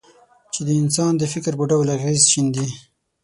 چې د انسان د فکر په ډول اغېز شیندي.